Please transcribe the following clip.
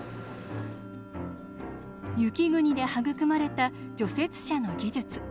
雪国で育まれた除雪車の技術。